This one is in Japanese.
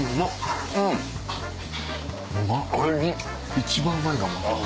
一番うまいかも。